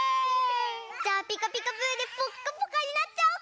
じゃあ「ピカピカブ！」でぽっかぽかになっちゃおうか！